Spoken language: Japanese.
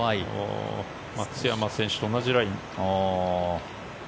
松山選手と同じライン。